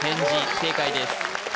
正解です